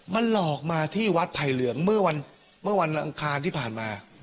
มาหลอกมาที่วัดไผ่เหลืองเมื่อวันอังคารที่ผ่านมา